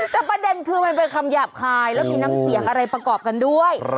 แต่ประเด็นคือมันเป็นคำหยาบคายแล้วมีน้ำเสียงอะไรประกอบกันด้วย